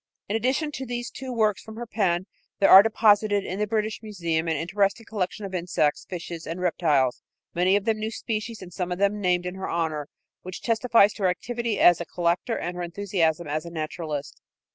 In addition to these two works from her pen there are deposited in the British Museum an interesting collection of insects, fishes and reptiles many of them new species and some of them named in her honor which testifies to her activity as a collector and her enthusiasm as a naturalist.